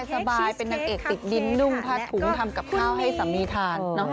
สบายเป็นนางเอกติดดินนุ่มพัดถุงทำกับข้าวให้สามีทาน